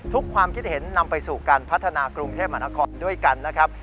ความคิดเห็นนำไปสู่การพัฒนากรุงเทพมหานครด้วยกันนะครับ